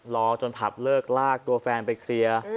รอจนผับเลิกลากตัวแฟนไปเคลียร์